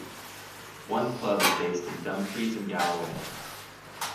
One club is based in Dumfries and Galloway.